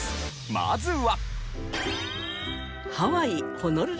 まずは。